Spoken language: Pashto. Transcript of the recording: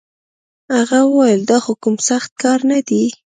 هغه وويل دا خو کوم سخت کار نه دی.